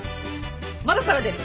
窓から出る。